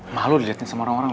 malu dilihatin sama orang orang